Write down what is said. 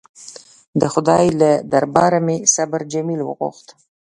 د خدای له درباره مې صبر جمیل وغوښت.